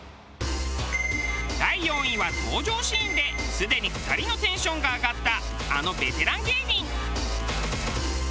第４位は登場シーンですでに２人のテンションが上がったあのベテラン芸人。